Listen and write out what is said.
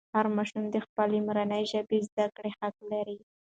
هر ماشوم د خپلې مورنۍ ژبې زده کړه حق لري.